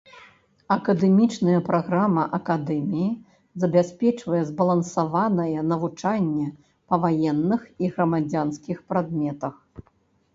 Акадэмічная праграма акадэміі забяспечвае збалансаванае навучанне па ваенных і грамадзянскіх прадметах.